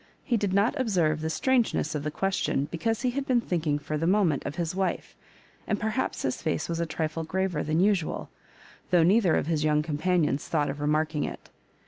He did not observe the strangeness of the question, because he had been thinkuig.for the moment of his wife, and perhaps his face was a trifle graver than usual, though neither of his young companions thought of remarking it.